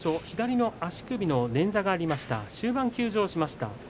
左の足首の捻挫があって終盤、休場しました。